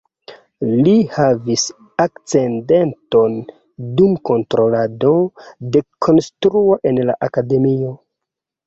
Li havis akcidenton dum kontrolado de konstruo en la akademio.